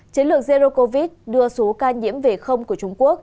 chế lược zero covid đưa số ca nhiễm về không của trung quốc